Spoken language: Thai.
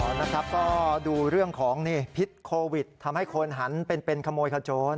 ข้าวกันต่อนะครับก็ดูเรื่องของพิษโควิดทำให้คนหันเป็นเป็นขโมยคจร